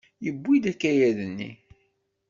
Yewwi-d akayad-nni.